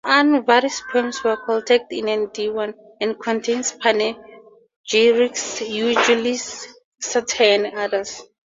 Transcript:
Anvari's poems were collected in a Deewan, and contains panegyrics, eulogies, satire, and others.